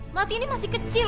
melatih ini masih kecil